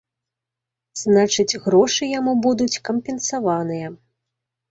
Значыць, грошы яму будуць кампенсаваныя.